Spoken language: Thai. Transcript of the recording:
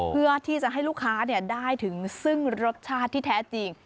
เพื่อที่จะให้ลูกค้าได้ถึงซึ่งรสชาติที่แท้จริง